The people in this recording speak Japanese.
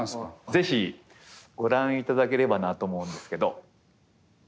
是非ご覧いただければなと思うんですけど。